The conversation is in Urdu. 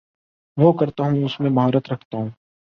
وہ کرتا ہوں اس میں مہارت رکھتا ہوں